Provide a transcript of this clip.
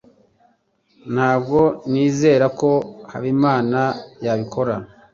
Ntabwo nizera ko Habimana yabikora.